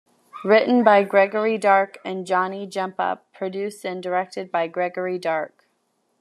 Written by Gregory Dark and Johnny Jump-Up; produced and directed by Gregory Dark.